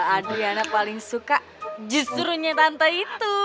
adriana paling suka justrunya tante itu